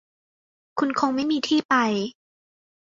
คุณคงไม่มีที่ไป